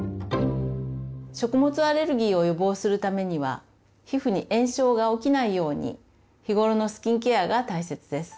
食物アレルギーを予防するためには皮膚に炎症が起きないように日頃のスキンケアが大切です。